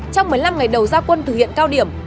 trong một mươi năm ngày đầu gia quân thực hiện cao điểm